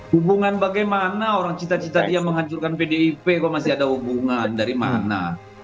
hubungan bagaimana orang cita cita dia menghancurkan pdip kok masih ada hubungan dari mana